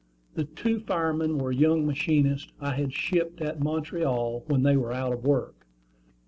The two firemen were young machinists I had shipped at Montreal when they were out of work.